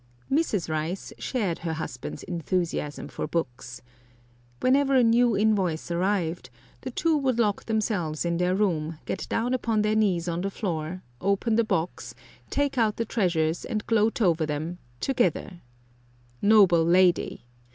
Mrs. Rice shared her husband's enthusiasm for books. Whenever a new invoice arrived, the two would lock themselves in their room, get down upon their knees on the floor, open the box, take out the treasures and gloat over them, together! Noble lady!